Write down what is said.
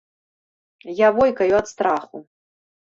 Я войкаю ад страху.